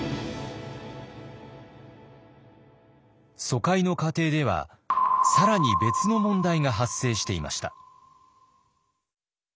疎開の過程では更に別の問題が発生していました。